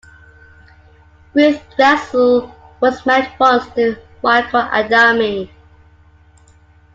Ruth Drexel was married once, to Michael Adami.